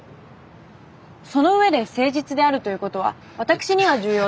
その上で誠実であるということは私には重要で。